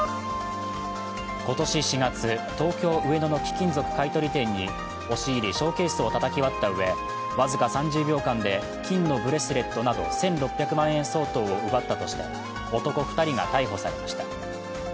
今年４月、東京・上野の貴金属買い取り店に押し入りショーケースをたたき割ったうえ、僅か３０秒間で金のブレスレットなど、１６００万円相当を奪ったとして男２人が逮捕されました。